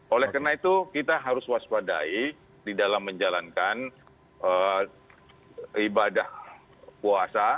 oleh karena itu kita harus waspadai di dalam menjalankan ibadah puasa